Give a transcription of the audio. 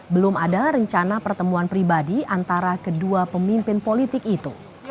belum ada rencana pertemuan pribadi antara kedua pemimpin politik itu